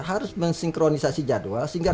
harus mensinkronisasi jadwal